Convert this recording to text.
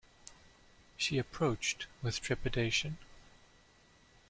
She approached with trepidation